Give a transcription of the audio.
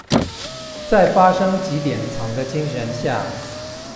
在「發生即典藏」的精神下